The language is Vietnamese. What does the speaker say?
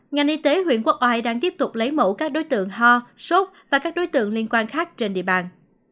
ngành y tế huyện quốc oai đang tiếp tục lấy mẫu các đối tượng ho sốt và các đối tượng liên quan khác trên địa bàn